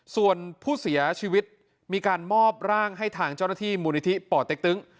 ส่วนผู้เสียชีวิตมีการมอบร่างให้ทางเจ้าหน้าที่มูลนิธิป่อเต็กตึง